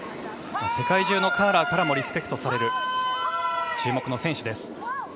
世界中のカーラーからもリスペクトされる注目の選手です。